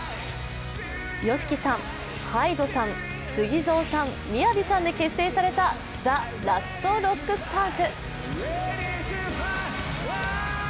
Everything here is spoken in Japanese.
ＹＯＳＨＩＫＩさん、ＨＹＤＥさん、ＳＵＧＩＺＯさん、ＭＩＹＡＶＩさんで結成された、ＴＨＥＬＡＳＴＲＯＣＫＳＴＡＲＳ。